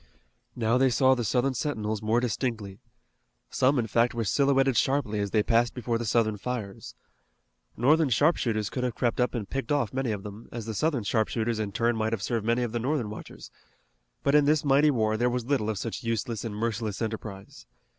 Now they saw the Southern sentinels more distinctly. Some, in fact, were silhouetted sharply as they passed before the Southern fires. Northern sharpshooters could have crept up and picked off many of them, as the Southern sharpshooters in turn might have served many of the Northern watchers, but in this mighty war there was little of such useless and merciless enterprise.